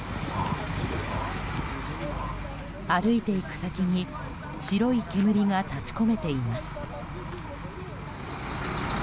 歩いていく先に白い煙が立ち込めています。